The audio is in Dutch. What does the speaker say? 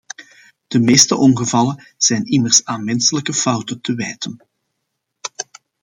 De meeste ongevallen zijn immers aan menselijke fouten te wijten.